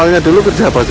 amalnya dulu kerja apa sih